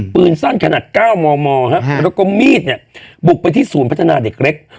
ปืนสั้นขนาด๙มมแล้วก็มีดเนี่ยบุกไปที่ศูนย์พัฒนาเด็กเล็ก